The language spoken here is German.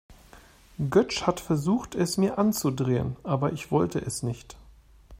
Götsch hat versucht, es mir anzudrehen, aber ich wollte es nicht.